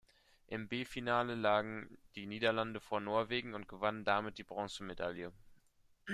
Im B-Finale lagen die Niederlande vor Norwegen und gewannen damit die Bronzemedaille.